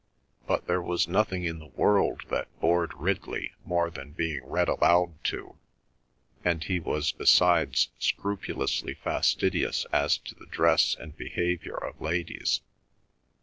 But there was nothing in the world that bored Ridley more than being read aloud to, and he was besides scrupulously fastidious as to the dress and behaviour of ladies.